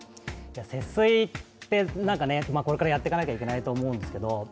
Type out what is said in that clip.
節水ってこれからやっていかなきゃいけないと思うんですけど